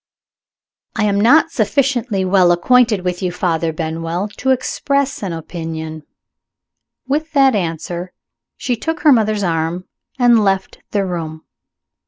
"I am not sufficiently well acquainted with you, Father Benwell, to express an opinion." With that answer, she took her mother's arm and left the room.